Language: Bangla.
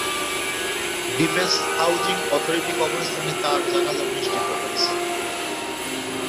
ডিফেন্স হাউজিং অথরিটি কবরস্থানে তাঁর জানাজা অনুষ্ঠিত হয়েছে।